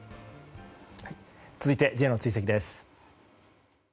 続いてＪの追跡です。